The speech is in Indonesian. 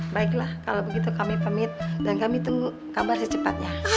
baiklah kalau begitu kami pamit dan kami tunggu kabar secepatnya